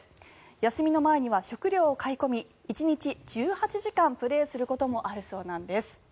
休みの前には食料を買い込み１日１８時間プレーすることもあるそうなんです。